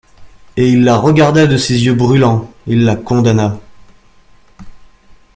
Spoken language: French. Et il la regarda de ses yeux brûlants, il la condamna.